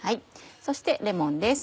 そしてレモンです。